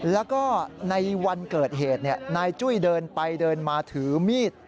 แล้วก็ในวันเกิดเหตุนายจุ้ยเดินไปเดินมาถือมีด